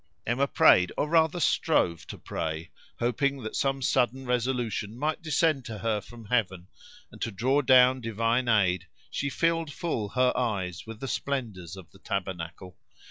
Emma prayed, or rather strove to pray, hoping that some sudden resolution might descend to her from heaven; and to draw down divine aid she filled full her eyes with the splendours of the tabernacle.